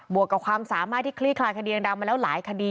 วกกับความสามารถที่คลี่คลายคดียังดังมาแล้วหลายคดี